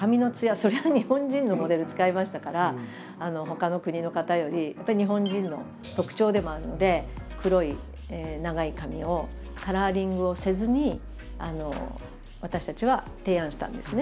そりゃ日本人のモデル使いましたからほかの国の方よりやっぱり日本人の特徴でもあるので黒い長い髪をカラーリングをせずに私たちは提案したんですね